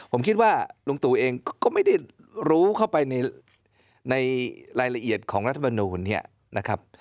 ผมคิดว่าลุงตู่เองก็ไม่ได้รู้เข้าไปในรายละเอียดของรัฐมนูลเนี่ยนะครับ